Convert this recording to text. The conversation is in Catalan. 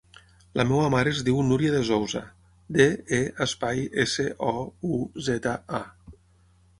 La meva mare es diu Núria De Souza: de, e, espai, essa, o, u, zeta, a.